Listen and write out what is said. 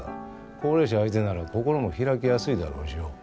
高齢者相手なら心も開きやすいだろうしよ。